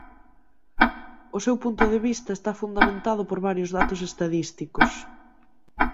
O seu punto de vista está fundamentado por varios datos estadísticos.